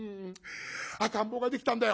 赤ん坊ができたんだよ」。